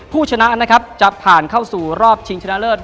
ผู้ชนะจะผ่านเข้าสู่รอบชิงชนะเริส